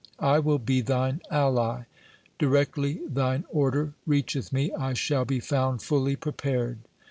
I will be thine ally. Directly thine order reacheth me, I shall be found fully prepared.'